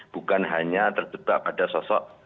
bukan hanya terjebak pada sosok